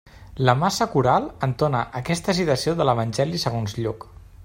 La massa coral entona aquesta citació de l'evangeli segons Lluc.